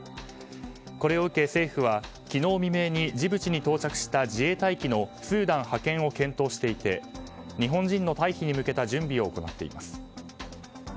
これを受け政府は昨日未明にジブチに到着した自衛隊機のスーダン派遣を検討していて日本人の退避に向けた準備を行っています。